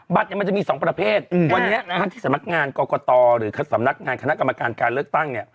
มันจะมี๒ประเภทวันนี้ที่สำนักงานกรกตหรือสำนักงานคณะกรรมการการเลือกตั้งเนี่ย